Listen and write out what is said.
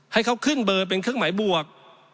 ให้เขาขึ้นเบอร์เป็นเครื่องหมายบวก